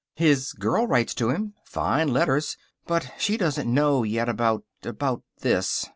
"His girl writes to him. Fine letters. But she doesn't know yet about about this.